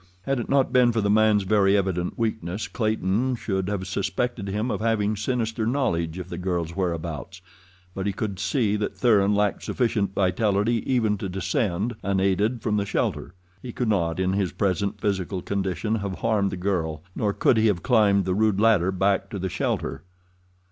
Had it not been for the man's very evident weakness, Clayton should have suspected him of having sinister knowledge of the girl's whereabouts; but he could see that Thuran lacked sufficient vitality even to descend, unaided, from the shelter. He could not, in his present physical condition, have harmed the girl, nor could he have climbed the rude ladder back to the shelter.